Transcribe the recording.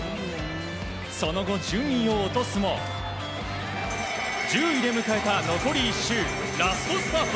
その後、順位を落とすも１０位で迎えた残り１周ラストスパート。